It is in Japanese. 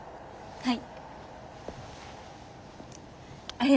はい。